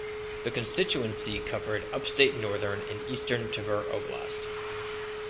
The constituency covered upstate Northern and Eastern Tver Oblast.